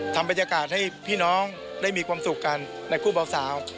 ทำบรรยากาศให้พี่น้องได้มีความสุขกันในคู่เบาสาว